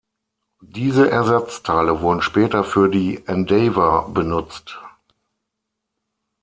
Diese Ersatzteile wurden später für die Endeavour benutzt.